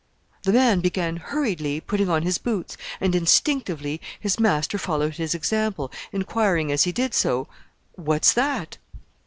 The man began hurriedly putting on his boots, and instinctively his master followed his example, inquiring as he did so, "What's that?"